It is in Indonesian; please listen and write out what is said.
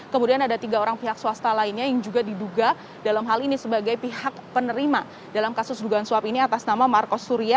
kemudian ada tiga orang pihak swasta lainnya yang juga diduga dalam hal ini sebagai pihak penerima dalam kasus dugaan suap ini atas nama markos surya